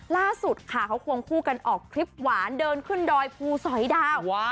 ล่าสุดค่ะเขาควงคู่กันออกคลิปหวานเดินขึ้นดอยภูสอยดาว